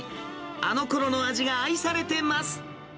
あのコロの味が愛されてます。